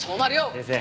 先生